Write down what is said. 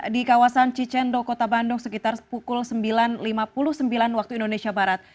di kawasan cicendo kota bandung sekitar pukul sembilan lima puluh sembilan waktu indonesia barat